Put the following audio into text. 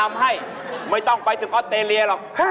้าล่ะเนี่ย